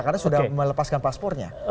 karena sudah melepaskan paspornya